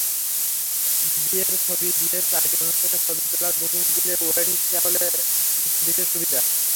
বিয়ের ছবিবিয়ের চারটি অনুষ্ঠানের ছবি তোলার বুকিং দিলে ওয়েডিং চ্যাপেল দিচ্ছে বিশেষ সুবিধা।